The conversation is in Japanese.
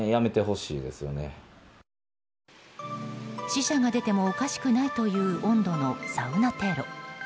死者が出てもおかしくないという温度のサウナテロ。